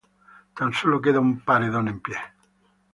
Tan sólo queda un paredón en pie.